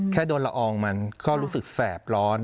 แค่โดนละอองมันก็รู้สึกแสบร้อน